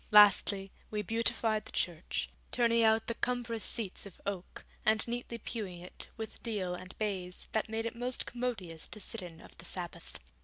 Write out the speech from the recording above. Lastly, we beautified the church, turning out the cumbrous seats of oak, and neatly pewing it with deal and baize, that made it most commodious to sit in of the Sabbath.